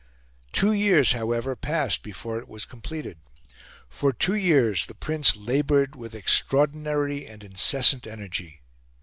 Two years, however, passed before it was completed. For two years the Prince laboured with extraordinary and incessant energy.